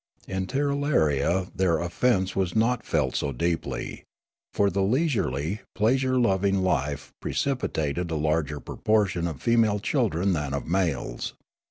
In Tirralaria their offence was not felt so deeply. For the leisurely, pleasure loving life precipitated a larger proportion of female children than of males.